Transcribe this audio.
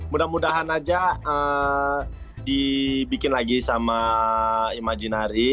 mudah mudahan aja dibikin lagi sama imajinari